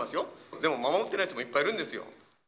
でも守ってない人もいっぱいいるんですよ。